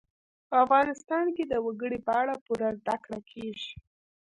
په افغانستان کې د وګړي په اړه پوره زده کړه کېږي.